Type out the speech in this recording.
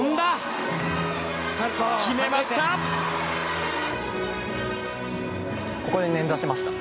決めました！